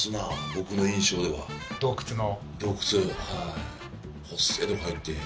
僕の印象では洞窟の？